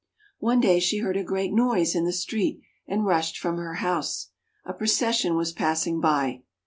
One day she heard a great noise in the street, and rushed from her house. A procession was passing by.